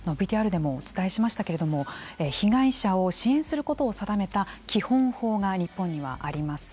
ＶＴＲでもお伝えしましたけれども被害者を支援することを定めた基本法が日本にはあります。